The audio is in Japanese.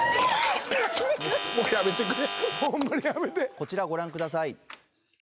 こちらご覧ください